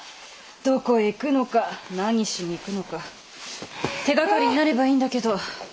どこへ行くのか何しに行くのか手がかりになればいいんだけど。